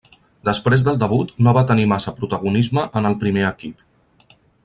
Després del debut no va tenir massa protagonisme en el primer equip.